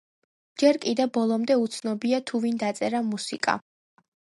ჯერ კიდევ ბოლომდე უცნობია თუ ვინ დაწერა მუსიკა.